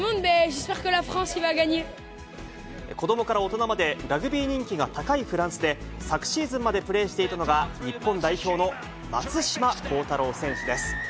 子どもから大人まで、ラグビー人気が高いフランスで昨シーズンまでプレーしていたのが、日本代表の松島幸太朗選手です。